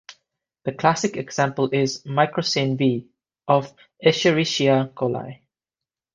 The classic example is microcin V, of "Escherichia coli".